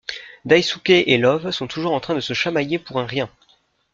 Daisuke et Love sont toujours en train de se chamailler pour un rien.